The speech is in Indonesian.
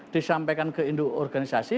disampaikan ke induk organisasi